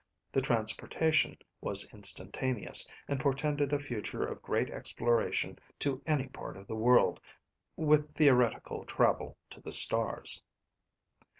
The transportation was instantaneous, and portended a future of great exploration to any part of the world, with theoretical travel to the stars.